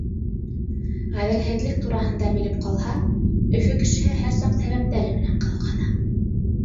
Ғәҙелһеҙлек тураһында белеп ҡалһа, Өфө кешеһе һәр саҡ сәбәптәре менән ҡыҙыҡһына.